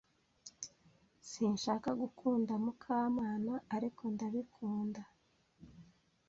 Sinshaka gukunda Mukamana, ariko ndabikunda.